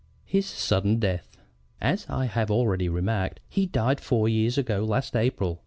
HIS SUDDEN DEATH "As I have already remarked, he died four years ago last April.